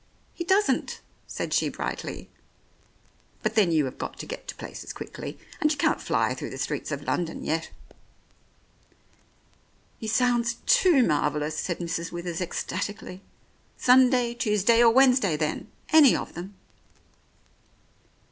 "He doesn't," said she brightly. "But then you have got to get to places quickly, and you can't fly through the streets of London yet." "He sounds too marvellous," said Mrs. Withers ecstatically. "Sunday, Tuesday or Wednesday then. Any of them."